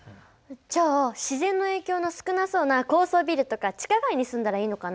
じゃあ自然の影響の少なそうな高層ビルとか地下街に住んだらいいのかな。